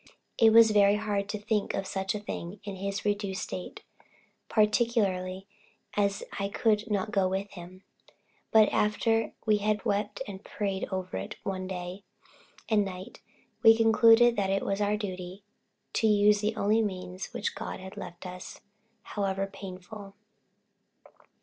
It was very hard to think of such a thing in his reduced state, particularly as I could not go with him; but after we had wept and prayed over it one day and night, we concluded that it was our duty to use the only means which God had left us, however painful.